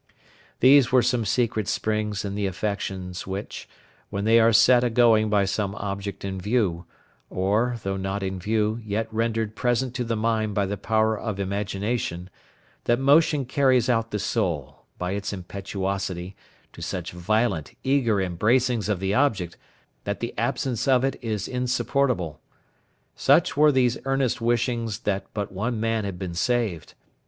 There are some secret springs in the affections which, when they are set a going by some object in view, or, though not in view, yet rendered present to the mind by the power of imagination, that motion carries out the soul, by its impetuosity, to such violent, eager embracings of the object, that the absence of it is insupportable. Such were these earnest wishings that but one man had been saved.